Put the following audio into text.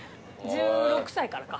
１６歳からか。